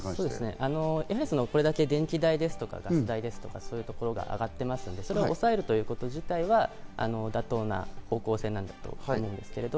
これだけ電気代ですとか、ガス代ですとか、そういうところが上がっているので抑えるということ自体は妥当な方向性だと思うんですけど。